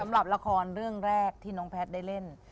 สำหรับละครเรื่องแรกที่น้องแพทย์ได้เล่น